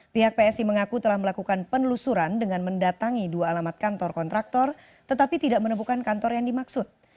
pihak psi mengaku telah melakukan penelusuran dengan mendatangi dua alamat kantor kontraktor tetapi tidak menemukan kantor yang dimaksud